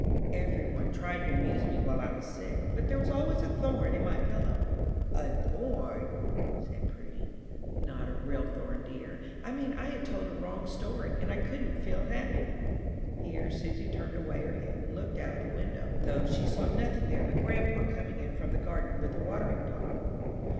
"Every one tried to amuse me while I was sick, but there was always a thorn in my pillow." "A thorn?" said Prudy. "Not a real thorn, dear. I mean I had told a wrong story, and I couldn't feel happy." Here Susy turned away her head and looked out of the window, though she saw nothing there but grandpa coming in from the garden with a watering pot.